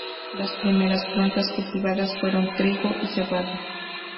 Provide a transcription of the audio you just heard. Las primeras plantas cultivadas fueron trigo y cebada.